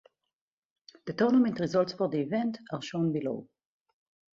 The tournament results for the event are shown below.